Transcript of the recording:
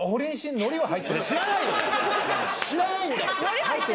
知らないんだって。